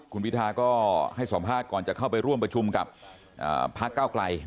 คุณพิทาก็ให้สัมภาษณ์ก่อนจะเข้าไปร่วมประชุมกับพักเก้าไกล